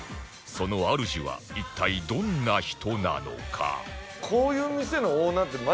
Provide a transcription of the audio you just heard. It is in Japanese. その主は一体どんな人なのか？